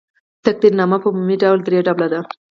تقدیرنامه په عمومي ډول درې ډوله ده.